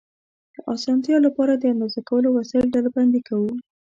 د اسانتیا له پاره، د اندازه کولو وسایل ډلبندي کوو.